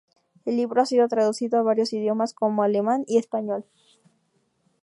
El libro ha sido traducido a varios idiomas como alemán y español.